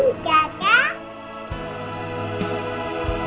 kita lo pengen baik